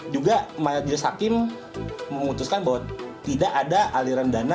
juga majelis hakim memutuskan bahwa tidak ada aliran dana